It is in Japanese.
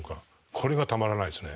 これがたまらないですね。